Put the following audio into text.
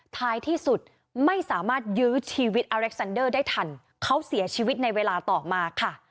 ท้ายที่สุดไม่สามารถยื้อชีวิตอเล็กซันเดอร์ได้ทันเขาเสียชีวิตในเวลาต่อมาค่ะ